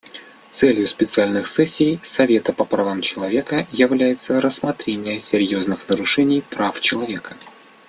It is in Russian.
Целью специальных сессий Совета по правам человека является рассмотрение серьезных нарушений прав человека.